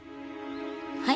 はい？